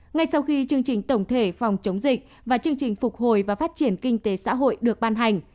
ngay sau khi chương trình tổng thể phòng chống dịch và chương trình phục hồi và phát triển kinh tế xã hội được ban hành